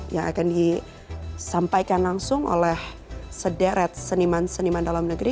yang akan disampaikan langsung oleh sederet seniman seniman dalam negeri